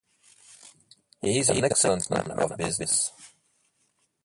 He is an excellent man of business.